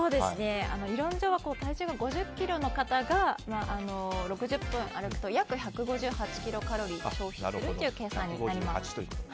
理論上は体重５０ｋｇの方が６０分歩くと約１５８キロカロリー消費するという計算になります。